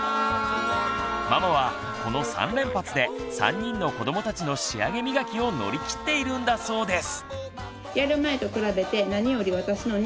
ママはこの３連発で３人の子どもたちの仕上げ磨きを乗り切っているんだそうです！